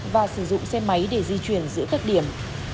và sử dụng xe máy để di chuyển giữa các điểm